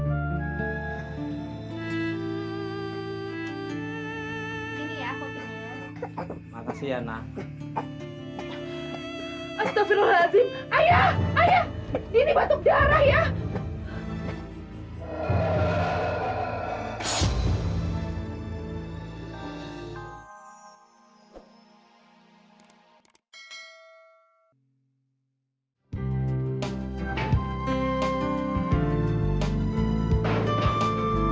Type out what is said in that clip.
ini ya makasih ya nak astaghfirullahaladzim ayah ayah ini batuk darah ya